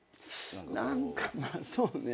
何かまあそうね。